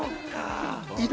いる？